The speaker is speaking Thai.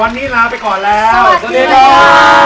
วันนี้ลาไปก่อนแล้วสวัสดีค่ะสวัสดีค่ะสวัสดีค่ะสวัสดีค่ะ